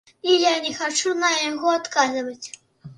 І я не хачу на яго адказваць.